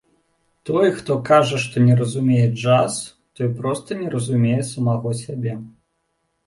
Той, хто кажа, што не разумее джаз, той проста не разумее самога сябе.